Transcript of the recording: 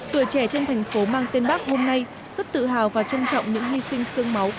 tuổi trẻ trên thành phố mang tên bác hôm nay rất tự hào và trân trọng những hy sinh sương máu